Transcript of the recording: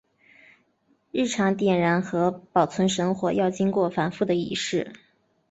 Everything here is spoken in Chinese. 日常点燃和保存神火要经过繁复的仪式。